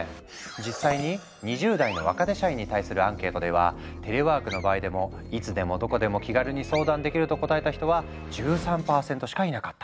実際に２０代の若手社員に対するアンケートではテレワークの場合でも「いつでもどこでも気軽に相談できる」と答えた人は１３％しかいなかった。